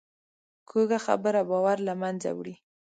کوږه خبره باور له منځه وړي